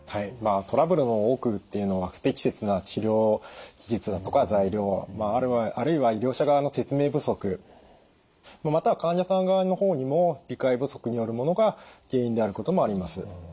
トラブルの多くっていうのは不適切な治療手術だとか材料あるいは医療者側の説明不足または患者さん側の方にも理解不足によるものが原因であることもあります。